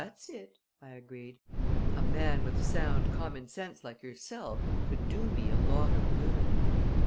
"That's it," I agreed. "A man with sound common sense like yourself could do me a lot of good."